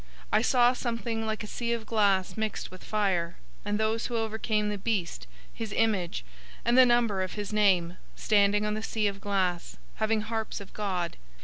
015:002 I saw something like a sea of glass mixed with fire, and those who overcame the beast, his image,{TR adds "his mark,"} and the number of his name, standing on the sea of glass, having harps of God.